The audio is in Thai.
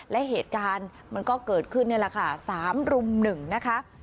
และเหตุการณ์มันก็เกิดขึ้นนี่แหละค่ะ๓รุ่ม๑นะคะ